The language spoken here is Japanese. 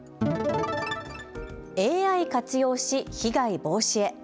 ＡＩ活用し被害防止へ。